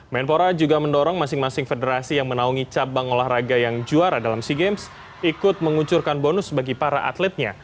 menpora juga mendorong masing masing federasi yang menaungi cabang olahraga yang juara dalam sea games ikut mengucurkan bonus bagi para atletnya